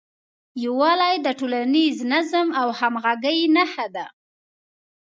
یووالی د ټولنیز نظم او همغږۍ نښه ده.